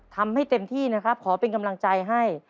ทำให้เต็มที่นะครับขอเป็นกำลังใจให้